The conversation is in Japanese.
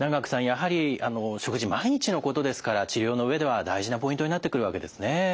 やはり食事毎日のことですから治療の上では大事なポイントになってくるわけですね。